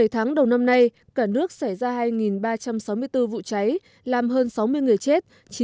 bảy tháng đầu năm nay cả nước xảy ra hai ba trăm sáu mươi bốn vụ cháy làm hơn sáu mươi người chết